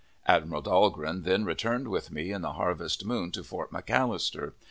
Admiral Dahlgren then returned with me in the Harvest Moon to Fort McAllister.